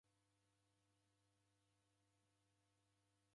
Huw'u ghaw'iasia.